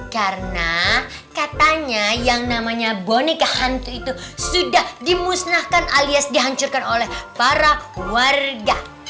karena katanya yang namanya boneka hantu itu sudah dimusnahkan alias dihancurkan oleh para warga